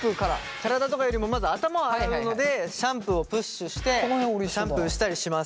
体とかよりもまず頭を洗うのでシャンプーをプッシュしてシャンプーしたりします。